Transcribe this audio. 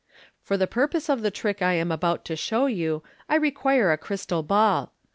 " For the purpose of the trick I am about to show you, I require a crystal ball.